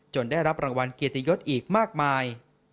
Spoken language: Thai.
ได้รับรางวัลเกียรติยศอีกมากมาย